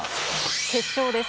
決勝です。